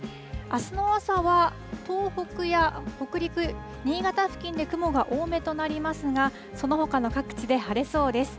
あすの朝は、東北や北陸、新潟付近で雲が多めとなりますが、そのほかの各地で晴れそうです。